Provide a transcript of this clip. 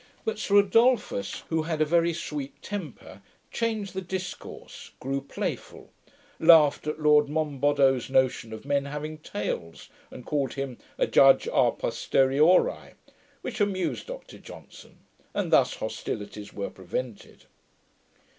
But Sir Adolphus, who had a very sweet temper, changed the discourse, grew playful, laughed at Lord Monboddo's notion of men having tails, and called him a Judge, a posteriori, which amused Dr Johnson; and thus hostilities were prevented.